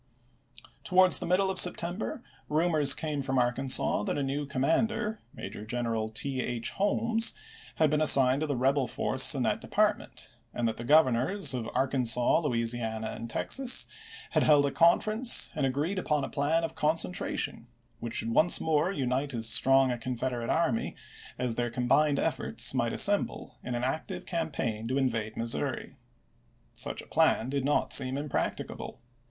1862. Towards the middle of September rumors came from Arkansas that a new commander — Major General T. H. Holmes — had been assigned to the MISSOUEI GUEERILLAS AND POLITICS 381 rebel force in that department, and that the Gov ch. xvm. ernors of Arkansas, Louisiana, and Texas had held a conference and agreed upon a plan of con centration which should once more unite as strong a Confederate army as their combined efforts might assemble in an active campaign to invade Missouri. Such a plan did not seem impracticable.